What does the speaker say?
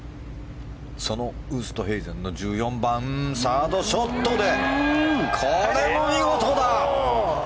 そのウーストヘイゼンの１４番サードショットでこれも見事だ。